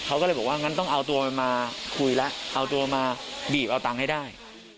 เขาก็เลยบอกว่างั้นต้องเอาตัวมันมาคุยแล้วเอาตัวมาบีบเอาตังค์ให้ได้